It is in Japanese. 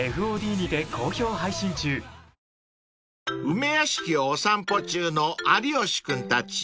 ［梅屋敷をお散歩中の有吉君たち］